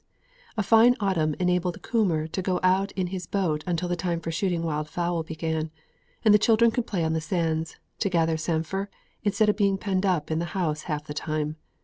A fine autumn enabled Coomber to go out in his boat until the time for shooting wild fowl began, and the children could play on the sands, or gather samphire, instead of being penned up in the house half the time.